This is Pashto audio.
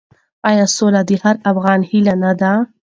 آیا سوله د هر افغان هیله نه ده؟